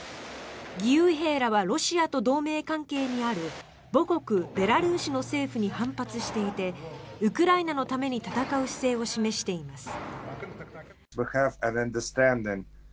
義勇兵らはロシアと同盟関係にある母国ベラルーシの政府に反発していてウクライナのために戦う姿勢を示しています。